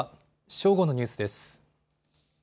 正午のニュースです。